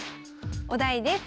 お題です。